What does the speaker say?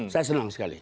saya senang sekali